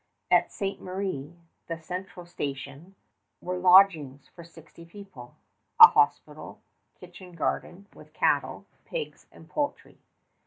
At Ste. Marie, the central station, were lodgings for sixty people, a hospital, kitchen garden, with cattle, pigs, and poultry.